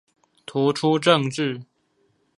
突出政治